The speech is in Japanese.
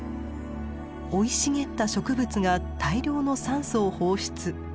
生い茂った植物が大量の酸素を放出。